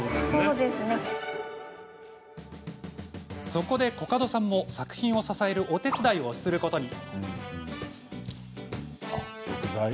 そこで、コカドさんも作品を支えるお手伝いをすることに。